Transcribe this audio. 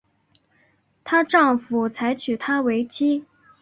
她丈夫才娶她为妻